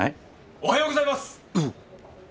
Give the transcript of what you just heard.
おはようございます！